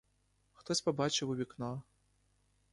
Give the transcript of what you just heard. Хтось побачив у вікно.